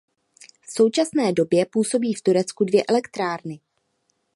V současné době působí v Turecku dvě elektrárny.